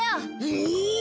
おお！